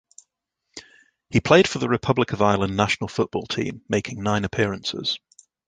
He played for the Republic of Ireland national football team making nine appearances.